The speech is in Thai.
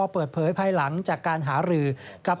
เปิดเผยภายหลังจากการหารือกับ